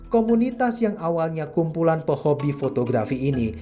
komunitas yang awalnya kumpulan pehobi fotografi ini